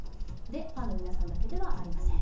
ファンの皆さんだけではありません。